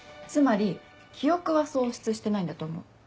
つまり記憶は喪失してないんだと思う。